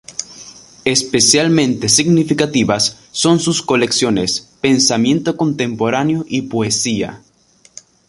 Especialmente significativas son sus colecciones Pensamiento Contemporáneo y Poesía.